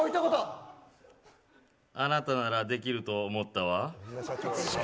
あなたならできると思ったわ。